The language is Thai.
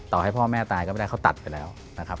ต่อให้พ่อแม่ตายก็ไม่ได้เขาตัดไปแล้วนะครับ